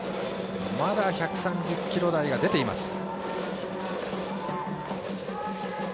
まだ１３０キロ台が出ています。